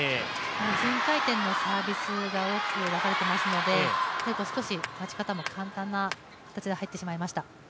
順回転のサービスが大きく待たれていますので、少し待ち方も簡単に入ってしまいました。